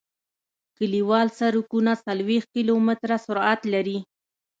کلیوال سرکونه څلویښت کیلومتره سرعت لري